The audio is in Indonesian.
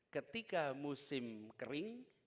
ketika musim kering